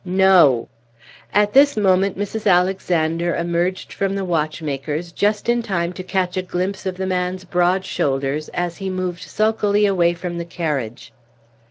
"No!" At this moment Mrs. Alexander emerged from the watchmaker's, just in time to catch a glimpse of the man's broad shoulders as he moved sulkily away from the carriage.